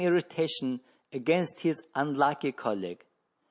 21 7 irritation against his unlucky colleague.